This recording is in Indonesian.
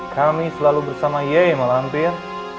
kami selalu bersama yey malampir